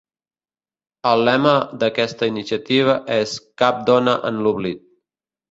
El lema d’aquesta iniciativa és ‘Cap dona en l’oblit’.